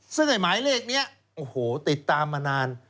ซึ่งให้หมายเลขนี้ติดตามมานาน